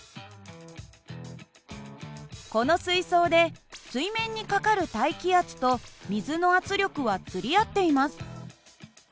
この水槽で水面にかかる大気圧と水の圧力は釣り合っています。